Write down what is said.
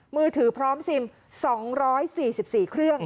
มือถือพร้อมซิม๒๔๔เครื่อง